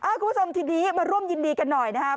คุณผู้ชมทีนี้มาร่วมยินดีกันหน่อยนะฮะ